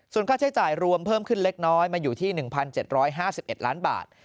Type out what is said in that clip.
ส่วนค่าใช้จ่ายรวมเพิ่มขึ้นเล็กน้อยมาอยู่ที่๑๗๕๑ล้านบาท